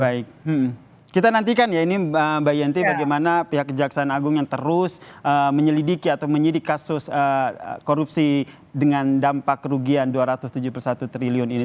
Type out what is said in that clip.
baik kita nantikan ya ini mbak yenti bagaimana pihak kejaksaan agung yang terus menyelidiki atau menyidik kasus korupsi dengan dampak kerugian dua ratus tujuh puluh satu triliun ini